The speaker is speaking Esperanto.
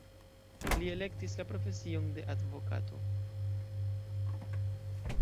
Li elektis la profesion de advokato.